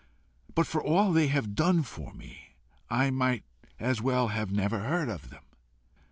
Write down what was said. But for all they have done for me, I might as well have never heard of them."